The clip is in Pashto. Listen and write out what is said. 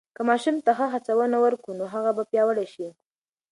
که ماشوم ته ښه هڅونه ورکو، نو هغه به پیاوړی شي.